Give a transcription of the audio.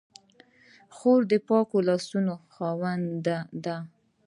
خور د پاکو لاسو خاوندې ده.